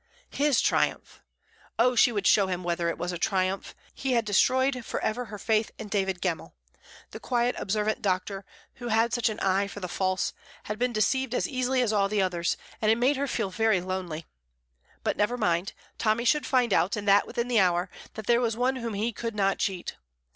His triumph! Oh, she would show him whether it was a triumph. He had destroyed for ever her faith in David Gemmell. The quiet, observant doctor, who had such an eye for the false, had been deceived as easily as all the others, and it made her feel very lonely. But never mind; Tommy should find out, and that within the hour, that there was one whom he could not cheat.